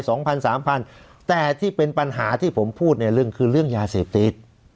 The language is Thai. สองพันสามพันแต่ที่เป็นปัญหาที่ผมพูดในเรื่องคือเรื่องยาเสพติด